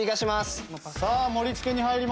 さあ盛り付けに入ります。